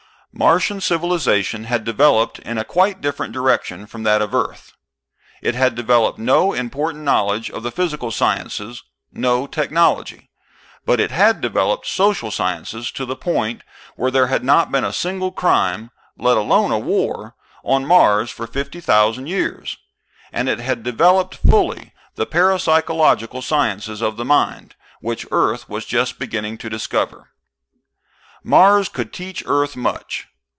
Martian civilization had developed in a quite different direction from that of Earth. It had developed no important knowledge of the physical sciences, no technology. But it had developed social sciences to the point where there had not been a single crime, let alone a war, on Mars for fifty thousand years. And it had developed fully the parapsychological sciences of the mind, which Earth was just beginning to discover. Mars could teach Earth much.